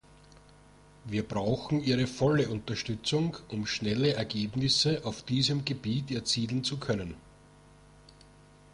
Wir brauchen Ihre volle Unterstützung, um schnelle Ergebnisse auf diesem Gebiet erzielen zu können.